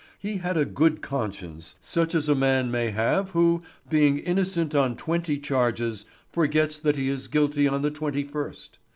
He had a good conscience such as a man may have who, being innocent on twenty charges, forgets that he is guilty on the twenty first.